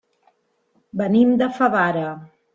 Venim de Favara.